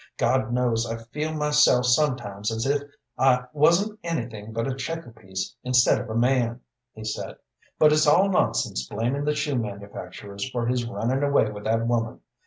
God knows I feel myself sometimes as if I wasn't anything but a checker piece instead of a man," he said, "but it's all nonsense blamin' the shoe manufacturers for his runnin' away with that woman.